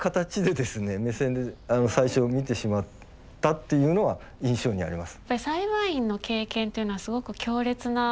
っていうのは印象にあります。